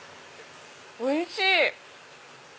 おいしい！